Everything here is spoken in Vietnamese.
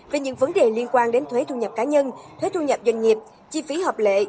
về những vấn đề liên quan đến thuế thu nhập cá nhân thuế thu nhập doanh nghiệp chi phí hợp lệ